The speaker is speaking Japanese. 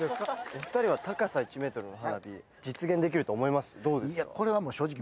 お２人は高さ１ｍの花火実現できると思います？